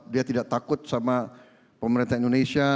dia tidak takut sama pemerintah indonesia